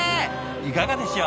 いかがでしょう？